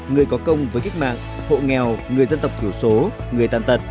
người có công với cách mạng hộ nghèo người dân tộc thiểu số người tàn tật